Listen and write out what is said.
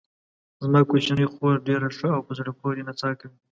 زما کوچنۍ خور ډېره ښه او په زړه پورې نڅا کوي.